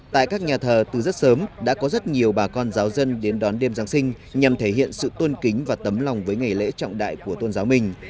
tại các nhà thờ từ rất sớm đã có rất nhiều bà con giáo dân đến đón đêm giáng sinh nhằm thể hiện sự tôn kính và tấm lòng với ngày lễ trọng đại của tôn giáo mình